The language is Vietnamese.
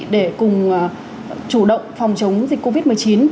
để cùng chủ động phòng chống dịch covid một mươi chín